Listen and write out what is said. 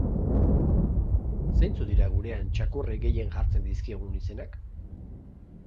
Zeintzuk dira gurean txakurrei gehien jartzen dizkiegun izenak?